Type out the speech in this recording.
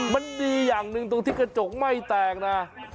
มันดีอย่างหนึ่งตรงที่กระจกไม่แตกนะ